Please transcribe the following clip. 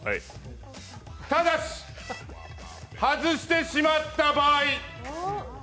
ただし、外してしまった場合！